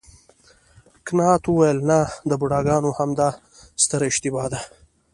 کانت وویل نه د بوډاګانو همدا ستره اشتباه ده.